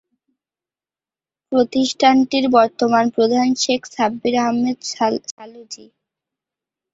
প্রতিষ্ঠানটির বর্তমান প্রধান শেখ সাব্বির আহমেদ সালুুজি।